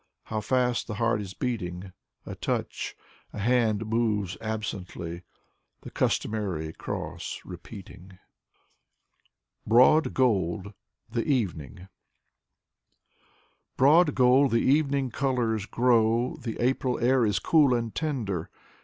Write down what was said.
How fast the heart is beating A touch: a hand moves absently The customary cross repeating. Anna Akhmatova 153 " BROAD GOLD, THE EVENING " Broad gold, the evening colors glow, The April air is cool and tender.